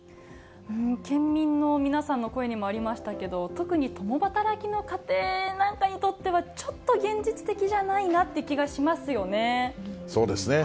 県民の皆さんの声にもありましたけど、特に共働きの家庭なんかにとっては、ちょっと現実的じゃないなっそうですね。